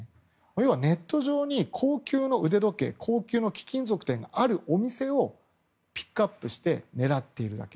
あるいはネット上に高級の腕時計貴金属があるお店をピックアップして狙っているだけ。